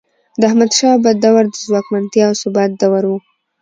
د احمدشاه بابا دور د ځواکمنتیا او ثبات دور و.